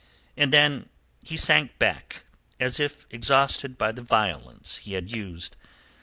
And then he sank back as if exhausted by the violence he had used.